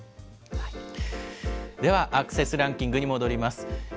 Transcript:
では、アクセスランキングに戻ります。